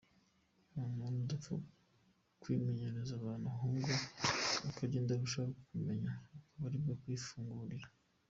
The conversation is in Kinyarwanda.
Ni umuntu udapfa kwimenyereza abantu ahubwo uko agenda arushaho kukumenya akaba aribwo akwifungurira.